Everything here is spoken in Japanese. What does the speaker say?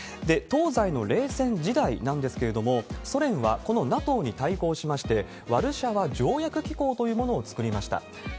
東西の冷戦時代なんですけれども、ソ連はこのＮＡＴＯに対抗しまして、ワルシャワ条約機構というものを作りました。